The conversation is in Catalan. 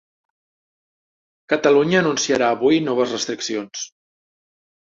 Catalunya anunciarà avui noves restriccions.